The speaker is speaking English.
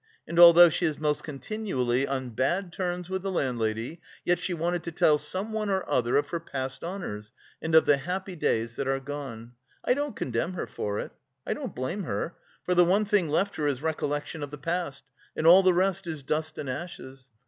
And although she is most continually on bad terms with the landlady, yet she wanted to tell someone or other of her past honours and of the happy days that are gone. I don't condemn her for it, I don't blame her, for the one thing left her is recollection of the past, and all the rest is dust and ashes.